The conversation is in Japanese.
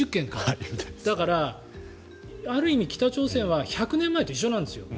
だから、ある意味北朝鮮は１００年前と一緒なんですよ。